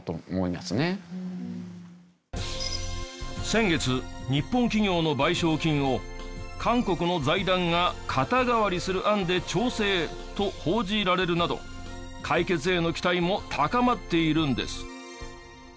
先月日本企業の賠償金を韓国の財団が肩代わりする案で調整と報じられるなど解決への期待も高まっているんです。